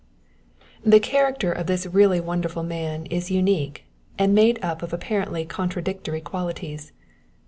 The character of this really wonderful man is unique, and made up of apparently contradictory qualities.